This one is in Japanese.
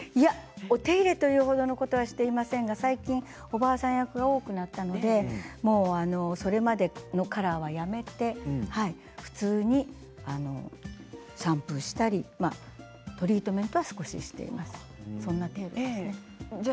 お手入れというほどのことはしていませんが最近、おばあさん役が多くなったのでもうそれまでのカラーはやめて普通にシャンプーしたりトリートメントは少ししています。